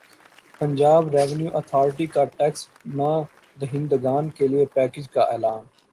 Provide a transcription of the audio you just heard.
Punjab revenue authority کا tax نادہندگان کیلئے پیکج کا اعلان